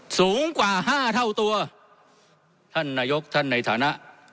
สูงกว่าห้าเท่าตัวท่านนายกท่านในฐานะ